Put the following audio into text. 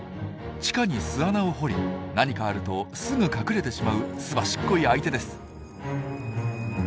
地下に巣穴を掘り何かあるとすぐ隠れてしまうすばしっこい相手です。